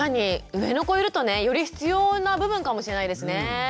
上の子いるとねより必要な部分かもしれないですね。